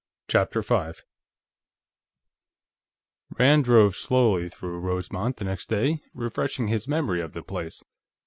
CHAPTER 5 Rand drove slowly through Rosemont, the next day, refreshing his memory of the place.